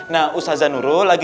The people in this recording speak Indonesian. nah ustadz zanuru lagi